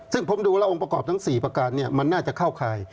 ซึ่งผมดูแล้วองค์ประกอบทั้ง๔ประการมันน่าจะเข้าข่าย